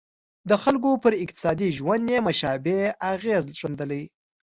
د خلکو پر اقتصادي ژوند یې مشابه اغېزې ښندلې.